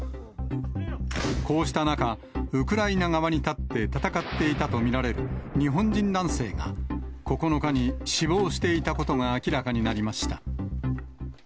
こうした中、ウクライナ側に立って戦っていたと見られる、日本人男性が９日に死亡していたことが明らかになりました。